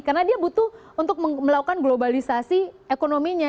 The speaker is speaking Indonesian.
karena dia butuh untuk melakukan globalisasi ekonominya